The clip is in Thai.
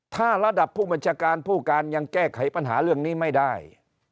ถ้าระดับผู้บัญชาการผู้การยังแก้ไขปัญหาเรื่องนี้ไม่ได้